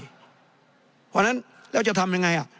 เพราะฉะนั้นแล้วจะทำยังไง